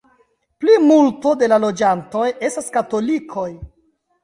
Plimulto de la loĝantoj estas katolikoj.